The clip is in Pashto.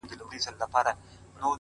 لوړ هدفونه انسان لوړوي،